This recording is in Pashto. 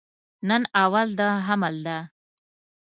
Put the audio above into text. نن اول د حمل ده